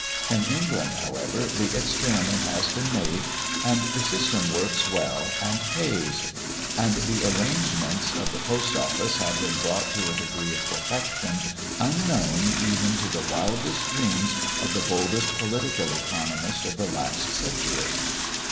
In England, however, the experiment has been made, and the system works well and pays. And the arrangements of the post office have been brought to a degree of perfection unknown even to the wildest dreams of the boldest political economist of the last century.